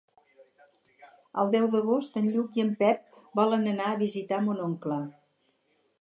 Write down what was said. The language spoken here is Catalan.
El deu d'agost en Lluc i en Pep volen anar a visitar mon oncle.